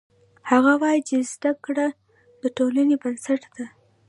هغه وایي چې زده کړه د ټولنې بنسټ ده